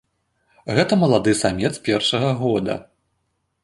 Гэта малады самец першага года.